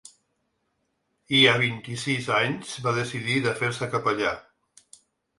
I a vint-i-sis anys va decidir de fer-se capellà.